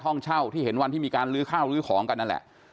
ห้องเช่าที่เห็นวันที่มีการลื้อข้าวลื้อของกันนั่นแหละ